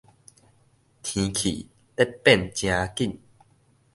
天氣咧變誠緊